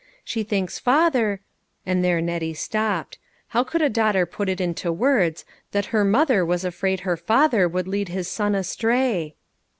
She thinks father," and there Nettie stopped. How could a daughter put it into words that her mother was afraid her father would lead his son astray